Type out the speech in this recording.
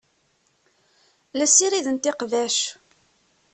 La ssirident iqbac.